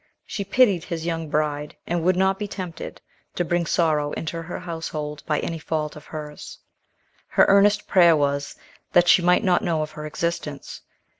She pitied his young bride, and would not be tempted to bring sorrow into her household by any fault of hers. Her earnest prayer was, that she might not know of her existence.